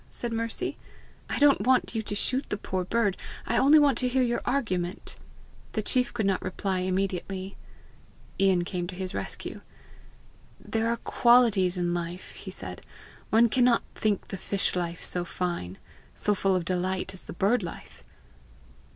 said Mercy. "I don't want you to shoot the poor bird; I only want to hear your argument!" The chief could not immediately reply, Ian came to his rescue. "There are qualities in life," he said. "One cannot think the fish life so fine, so full of delight as the bird life!"